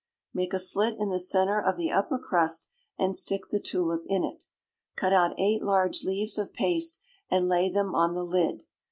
Make a slit in the centre of the upper crust, and stick the tulip in it. Cut out eight large leaves of paste, and lay them on the lid.